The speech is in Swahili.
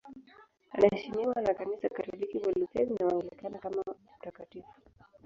Anaheshimiwa na Kanisa Katoliki, Walutheri na Waanglikana kama mtakatifu.